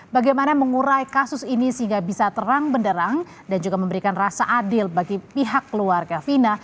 bagaimana mengurai kasus ini sehingga bisa terang benderang dan juga memberikan rasa adil bagi pihak keluarga fina